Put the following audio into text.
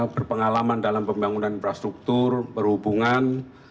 berpengalaman dalam pembangunan infrastruktur berhubungan